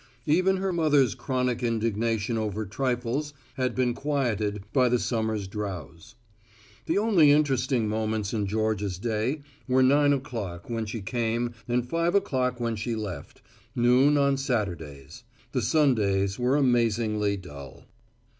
Even her mother's chronic indignation over trifles had been quieted by the summer's drowse. The only interesting moments in Georgia's day were nine o'clock when she came and five o'clock when she left noon on Saturdays. The Sundays were amazingly dull.